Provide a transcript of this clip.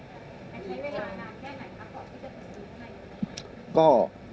อเจมส์นี่เวลานานแค่ไหนครับหรือว่านานแค่ไหน